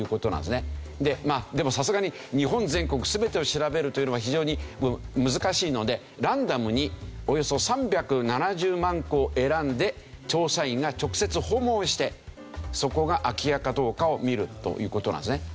まあでもさすがに日本全国全てを調べるというのは非常に難しいのでランダムにおよそ３７０万戸を選んで調査員が直接訪問をしてそこが空き家かどうかを見るという事なんですね。